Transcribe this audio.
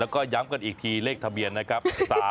แล้วก็ย้ำกันอีกทีเลขทะเบียนนะครับ